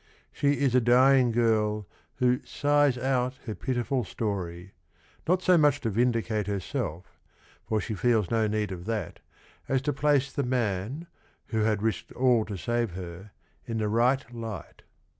She is a dying girl who "sighs out" her pitiful stor y, not so much to vin dicate Tierselt", for she feels no need of that, as tcTplace the man; who had~nsked all to save her, in the righYTight.